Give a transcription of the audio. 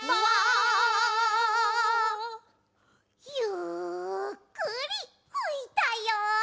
ゆっくりふいたよ。